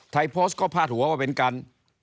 โพสต์ก็พาดหัวว่าเป็นการ